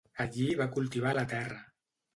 Allí va cultivar la terra.